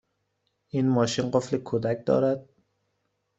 این ماشین قفل کودک دارد؟